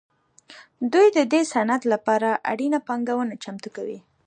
دوی د دې صنعت لپاره اړینه پانګونه چمتو کوي